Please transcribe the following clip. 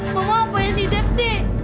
mama apaan sih dev sih